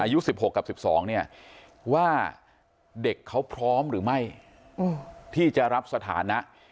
อายุ๑๖กับ๑๒เนี่ยว่าเด็กเขาพร้อมหรือไม่ที่จะรับสถานะ